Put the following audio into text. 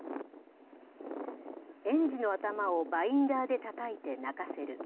園児の頭をバインダーでたたいて泣かせる。